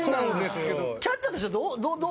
キャッチャーとしてはどう？